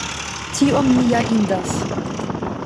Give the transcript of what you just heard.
Tion mi ja indas.